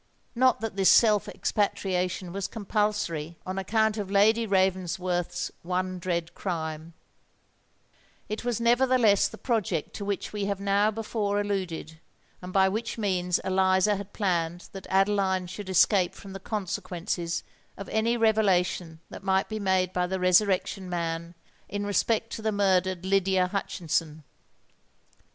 Not that this self expatriation was compulsory on account of Lady Ravensworth's one dread crime: it was nevertheless the project to which we have before alluded, and by which means Eliza had planned that Adeline should escape from the consequences of any revelation that might be made by the Resurrection Man in respect to the murdered Lydia Hutchinson.